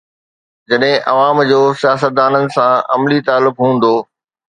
جڏهن عوام جو سياستدانن سان عملي تعلق هوندو.